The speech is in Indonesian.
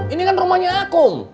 ini kan rumahnya akum